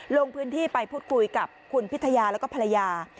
ลงพื้นที่ไปพูดคุยกับคุณพิทยาแล้วก็ภรรยา